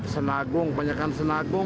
senagung banyakkan senagung